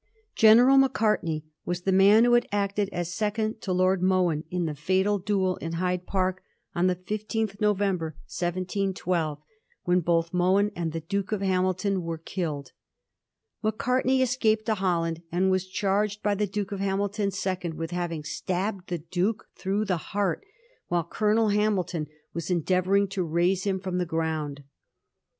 General Macartney was the man who had acted as second to Lord Mohun in the fatal duel in Hyde Park on the 15th November, 1712, Digiti zed by Google 1715 JOHN ERSKINE OF MAR. 161 ^hen both Mohun and the Duke of Hamilton were killed. Macartney escaped to Holland, and was •charged by the Duke of Hamilton's second with liaving stabbed the Duke through the heart while €olonel Hanulton was endeavouring to raise him from the ground.